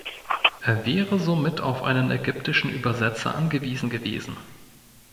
Er wäre somit auf einen ägyptischen Übersetzer angewiesen gewesen.